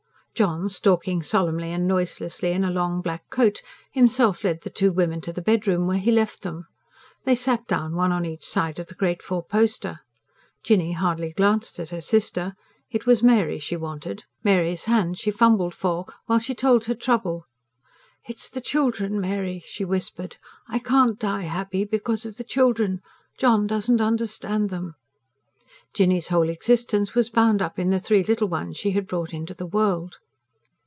John, stalking solemnly and noiselessly in a long black coat, himself led the two women to the bedroom, where he left them; they sat down one on each side of the great fourposter. Jinny hardly glanced at her sister: it was Mary she wanted, Mary's hand she fumbled for while she told her trouble. "It's the children, Mary," she whispered. "I can't die happy because of the children. John doesn't understand them." Jinny's whole existence was bound up in the three little ones she had brought into the world.